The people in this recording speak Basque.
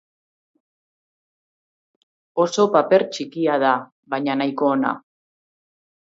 Oso paper txikia da, baina nahiko ona.